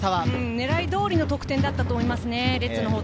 狙い通りの得点だったと思います。